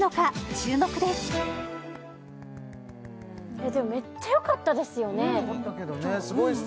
注目ですでもめっちゃよかったですよね？